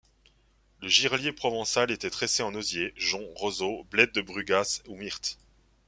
Le girelier provençal était tressé en osier, jonc, roseau, blette de brugas ou myrte.